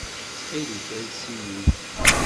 Ttxil-k, ales-iyi-d.